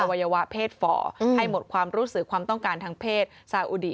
วัยวะเพศฝ่อให้หมดความรู้สึกความต้องการทางเพศซาอุดิ